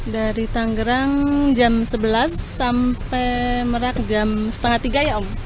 dari tanggerang jam sebelas sampai merak jam setengah tiga ya om